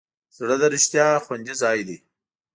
زړه د رښتیا خوندي ځای دی.